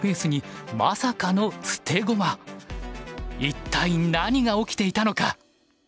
一体何が起きていたのか。